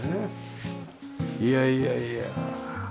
いやいやいや。